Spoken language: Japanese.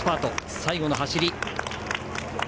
最後の走り。